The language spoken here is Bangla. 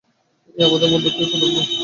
এই আমাদের মধ্যে কী পুনাম নেই, রামা?